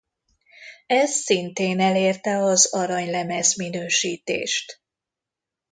Ez szintén elérte az aranylemez minősítést.